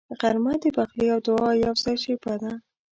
غرمه د پخلي او دعا یوځای شیبه ده